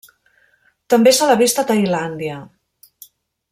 També se l'ha vist a Tailàndia.